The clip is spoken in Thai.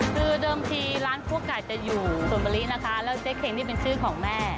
คือเดิมทีร้านคั่วไก่จะอยู่สวนมะลินะคะแล้วเจ๊เข็งนี่เป็นชื่อของแม่